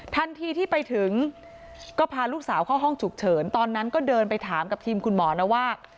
ทันทีที่ไปถึงก็พาลูกสาวเข้าห้องฉุกเฉินตอนนั้นก็เดินไปถามกับทีมคุณหมอนะว่า